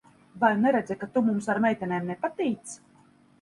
Vai neredzi, ka tu mums ar meitenēm nepatīc?